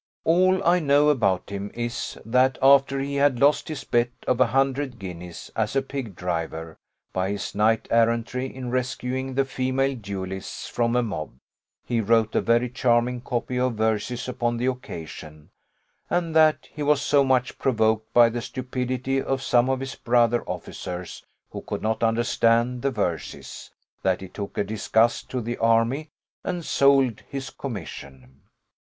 All I know about him is, that after he had lost his bet of a hundred guineas, as a pig driver, by his knight errantry in rescuing the female duellists from a mob, he wrote a very charming copy of verses upon the occasion; and that he was so much provoked by the stupidity of some of his brother officers who could not understand the verses, that he took a disgust to the army, and sold his commission.